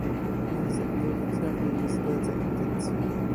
Język najwytrawniej nie zdradza intencji